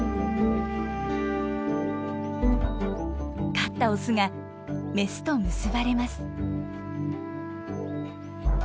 勝ったオスがメスと結ばれます。